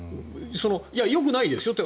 よくないですよ